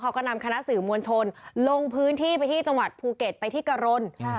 เขาก็นำคณะสื่อมวลชนลงพื้นที่ไปที่จังหวัดภูเก็ตไปที่กะรน